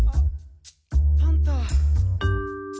パンタ。